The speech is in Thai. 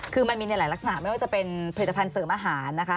คือมันมีในหลายลักษณะไม่ว่าจะเป็นผลิตภัณฑ์เสริมอาหารนะคะ